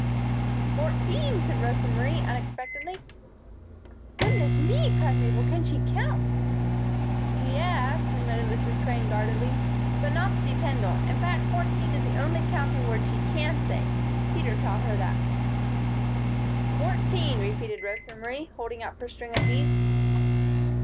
"Fourteen," said Rosa Marie, unexpectedly. "Goodness me!" cried Mabel. "Can she count?" "Ye es," admitted Mrs. Crane, guardedly, "but not to depend on. In fact, fourteen is the only counting word she can say. Peter taught her that." "Fourteen," repeated Rosa Marie, holding up her string of beads.